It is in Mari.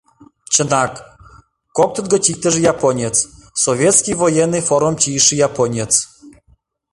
Чынак, коктыт гыч иктыже японец, советский военный формым чийыше японец.